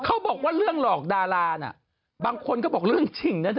เขาบอกว่าเรื่องหลอกดาราน่ะบางคนก็บอกเรื่องจริงนะเธอ